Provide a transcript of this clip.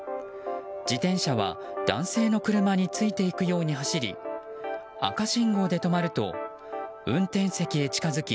自転車は、男性の車についていくように走り赤信号で止まると運転席へ近づき